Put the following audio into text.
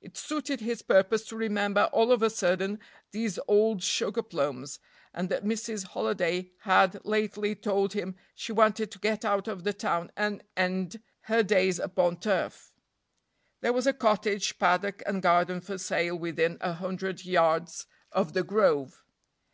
It suited his purpose to remember all of a sudden these old sugar plums, and that Mrs. Holiday had lately told him she wanted to get out of the town and end her days upon turf. There was a cottage, paddock and garden for sale within a hundred yards of "The Grove."